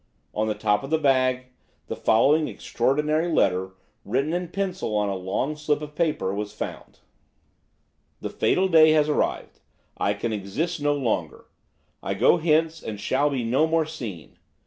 On the top of the bag the following extraordinary letter, written in pencil on a long slip of paper, was found: 'The fatal day has arrived. I can exist no longer. I go hence and shall be no more seen.